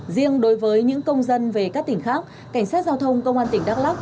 riêng đối với những công dân về các tỉnh khác cảnh sát giao thông công an tỉnh đắk lắc